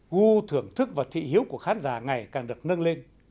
gu thưởng thức và thị hiếu của khán giả ngày càng được nâng lên